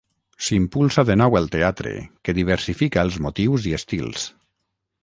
S'impulsa de nou el teatre, que diversifica els motius i estils.